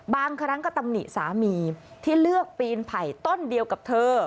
บางครั้งก็ตำหนิสามีที่เลือกปีนไผ่ต้นเดียวกับเธอ